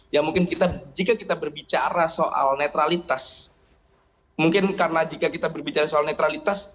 ya mungkin jika kita berbicara soal netralitas mungkin karena jika kita berbicara soal netralitas